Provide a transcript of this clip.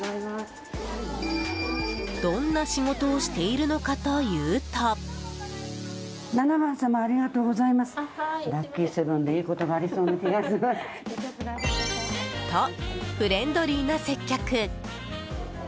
どんな仕事をしているのかというと。と、フレンドリーな接客。